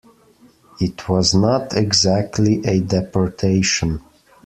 It was not exactly a deportation.